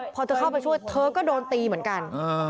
พอเธอเข้าไปช่วยเธอก็โดนตีเหมือนกัน